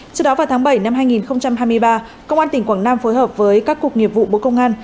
trước đó vào tháng bảy năm hai nghìn hai mươi ba công an tỉnh quảng nam phối hợp với các cuộc nghiệp vụ bộ công an